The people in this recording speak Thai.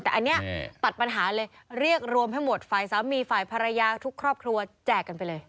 แต่อันนี้ตัดปัญหาเลยเรียกรวมให้หมดฝ่ายสามีฝ่ายภรรยาทุกครอบครัวแจกกันไปเลย